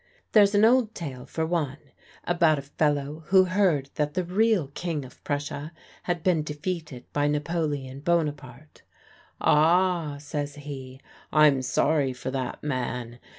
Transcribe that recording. There's an old tale for one, about a fellow who heard that the real King of Prussia had been defeated by Napoleon Bonaparte. "Ah," says he, "I'm sorry for that man.